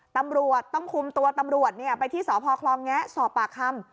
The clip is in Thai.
ตำรวจต้องคุมตัวตำรวจไปที่สพคลองแงะสอบปากคำ